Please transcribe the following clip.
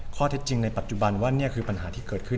ข้อเท็จจริงในปัจจุบันว่านี่คือปัญหาที่เกิดขึ้น